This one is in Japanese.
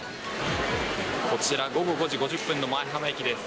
こちら午後５時５０分の舞浜駅です。